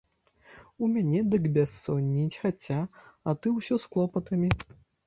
У мяне дык бяссонне хаця, а ты ўсё з клопатамі.